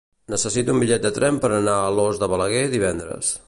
Necessito un bitllet de tren per anar a Alòs de Balaguer divendres.